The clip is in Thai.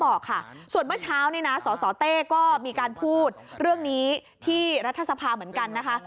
บอกค่ะส่วนเมื่อเช้านี่นะสสเต้ก็มีการพูดเรื่องนี้ที่รัฐสภาเหมือนกันนะคะ